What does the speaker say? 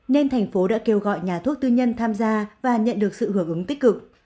nên thành phố đã kêu gọi nhà thuốc tư nhân tham gia và nhận được sự hưởng ứng tích cực